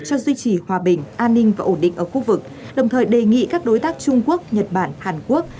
cho duy trì hòa bình an ninh và ổn định ở khu vực đồng thời đề nghị các đối tác trung quốc nhật bản hàn quốc